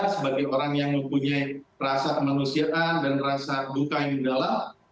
sebagai orang yang mempunyai rasa kemanusiaan dan rasa duka yang mendalam